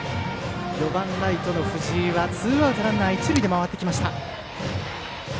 ４番ライトの藤井はツーアウトランナー、一塁で回ってきました。